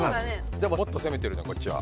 でももっとせめてるこっちは。